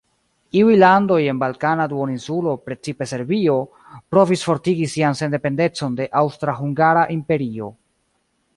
Iuj landoj en Balkana duoninsulo, precipe Serbio, provis fortigi sian sendependecon de Aŭstra-Hungara Imperio.